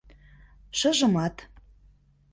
Шыжымат